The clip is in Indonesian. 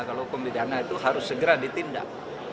kalau hukum pidana itu harus segera ditindak